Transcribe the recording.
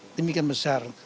ini bukan besar